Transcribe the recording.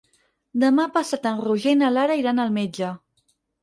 Demà passat en Roger i na Lara iran al metge.